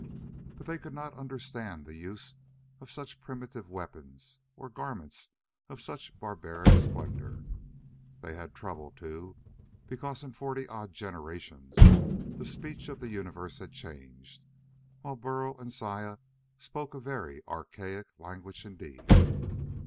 But they could not understand the use of such primitive weapons or garments of such barbaric splendor. They had trouble, too, because in forty odd generations the speech of the universe had changed, while Burl and Saya spoke a very archaic language indeed.